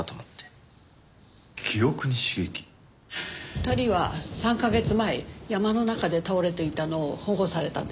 ２人は３カ月前山の中で倒れていたのを保護されたんです。